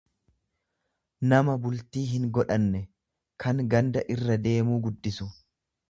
nama bultii hingodhanne, kan ganda irra deemuu guddisu.